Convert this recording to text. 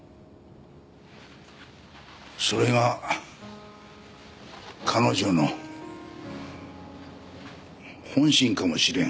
それが彼女の本心かもしれん。